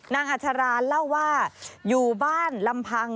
อัชราเล่าว่าอยู่บ้านลำพัง